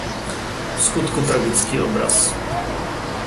Vskutku tragický obraz.